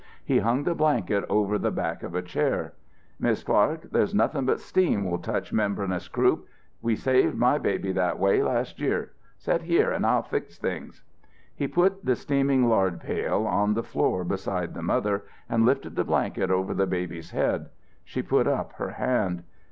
He hung the blanket over the back of a chair. "Mis' Clark, there's nothing but steam will touch membreenous croup. We saved my baby that way last year. Set here and I'll fix things." He put the steaming lard pail on the floor beside the mother and lifted the blanket over the baby's head. She put up her hand.